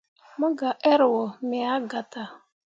Mu gah err wo, me ah gatah.